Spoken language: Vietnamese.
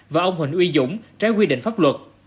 và ông huỳnh uy dũng trái quy định pháp luật